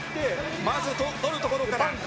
まず、とるところから。